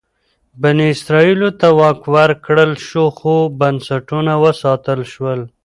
بني اسرائیلو ته واک ورکړل شو خو بنسټونه وساتل شول.